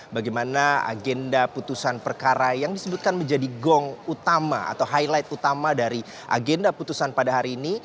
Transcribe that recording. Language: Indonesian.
bagaimana agenda putusan perkara yang disebutkan menjadi gong utama atau highlight utama dari agenda putusan pada hari ini